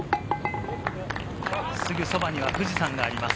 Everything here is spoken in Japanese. すぐそばには富士山があります。